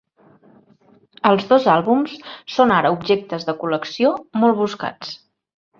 Els dos àlbums són ara objectes de col·lecció molt buscats.